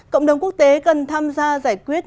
cộng đồng quốc tế cần tham gia giải quyết